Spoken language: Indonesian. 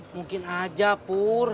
mungkin aja pur